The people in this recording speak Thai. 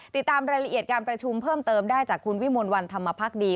ติดตามรายละเอียดการประชุมเพิ่มเติมได้จากคุณวิมลวันธรรมพักดี